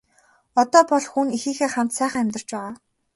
Одоо бол хүү нь эхийнхээ хамт сайхан амьдарч байгаа.